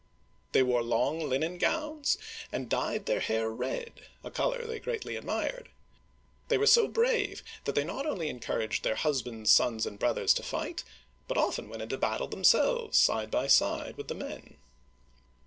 They wore long linen gowns, and dyed their hair red — a color they greatly admired. They were so brave that they not only encouraged their husbands, sons, and brothers to fight, but often went into battle themselves, side by side with the men.